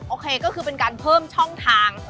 โอเคก็คือเป็นการเพิ่มช่องทาง